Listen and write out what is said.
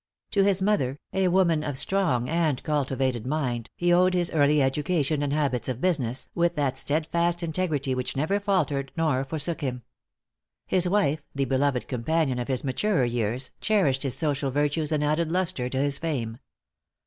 To his mother, a woman of strong and cultivated mind, he owed his early education and habits of business, with that steadfast integrity, which never faltered nor forsook him. His wife the beloved companion of his maturer years cherished his social virtues and added lustre to his fame.